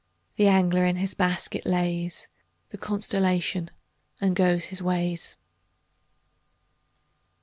The angler in his basket lays The constellation, and goes his ways.